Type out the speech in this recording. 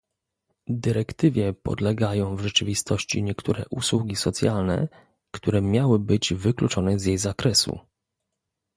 dyrektywie podlegają w rzeczywistości niektóre usługi socjalne, które miały być wykluczone z jej zakresu